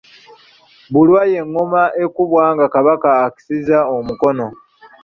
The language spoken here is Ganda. Bulwa y’engoma ekubwa nga Kabaka akisizza omukono.